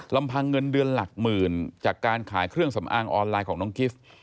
ลำพังเงินเดือนหลักหมื่นจากการขายเครื่องสำอางออนไลน์ของน้องกิฟต์